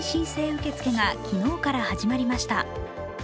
受け付けが昨日から始まりました。